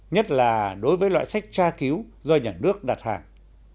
nhất là đối với loại sách tra cứu do nhà nước đặt hàng